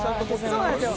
「そうなんですよ。